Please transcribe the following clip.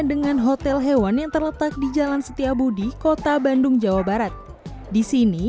dengan hotel hewan yang terletak di jalan setiabudi kota bandung jawa barat disini